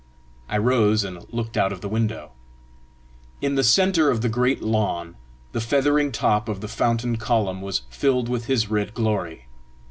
I rose and looked out of the window. In the centre of the great lawn the feathering top of the fountain column was filled with his red glory.